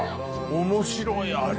面白いあれ。